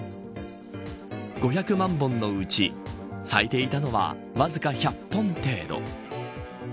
５００万本のうち咲いていたのはわずか１００本程度。